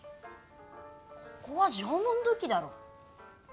ここは縄文土器だろ。はあ？